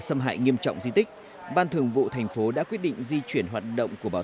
xâm hại nghiêm trọng di tích ban thường vụ thành phố đã quyết định di chuyển hoạt động của bảo